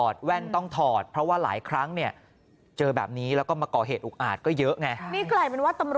เดินประกบตาม